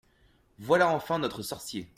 Voilà enfin notre sorcier…